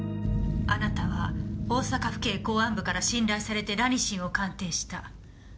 あなたは大阪府警公安部から信頼されてラニシンを鑑定した。